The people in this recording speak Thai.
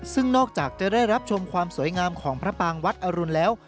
ซึ่งนอกจากจะได้รับชมความสวยงามของพระปางวัดอรุณแล้ว